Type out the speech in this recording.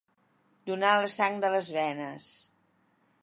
Donar la sang de les venes.